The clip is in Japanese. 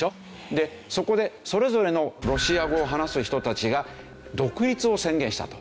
そこでそれぞれのロシア語を話す人たちが独立を宣言したと。